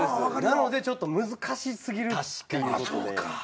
なのでちょっと難し過ぎるっていうことで。